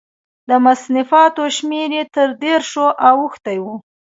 د مصنفاتو شمېر یې تر دېرشو اوښتی و.